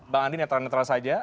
bang andi netral netral saja